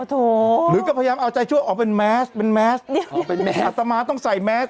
หรือก็พยายามเอาใจช่วยออกเป็นแมสเป็นแมสเป็นแมสอัตมาต้องใส่แมส